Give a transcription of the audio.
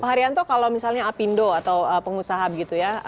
pak haryanto kalau misalnya apindo atau pengusaha begitu ya